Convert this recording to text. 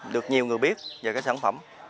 được nhiều người biết về cái sản phẩm